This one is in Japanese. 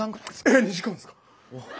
えっ２時間ですか